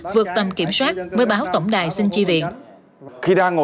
vượt tầm kiểm soát mới báo tổng đài xin chi viện